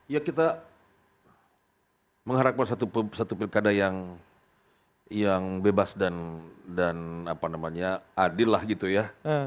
ya kita mengharapkan satu pilkada yang bebas dan adil lah gitu ya